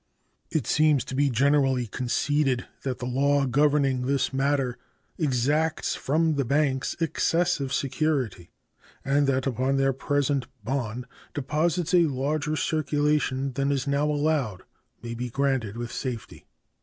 It seems to be generally conceded that the law governing this matter exacts from the banks excessive security, and that upon their present bond deposits a larger circulation than is now allowed may be granted with safety.